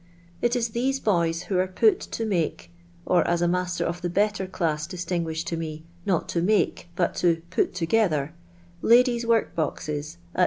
It is these boys who' are put to make, or as a master i^f the better class disiingnished to me, not to mult but to put together, ladiea* work boxis at